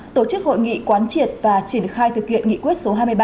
tổ chức hội nghị quán triệt và triển khai thực hiện nghị quyết số hai mươi ba